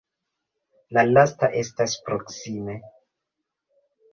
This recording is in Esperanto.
La lasta estas proksime.